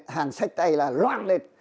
hàng xích tay là loang lệt